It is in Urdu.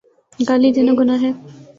گالی دینا گناہ ہے۔